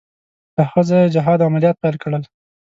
له هغه ځایه یې جهاد او عملیات پیل کړل.